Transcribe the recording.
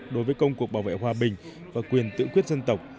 đối với công cuộc bảo vệ hòa bình và quyền tự quyết dân tộc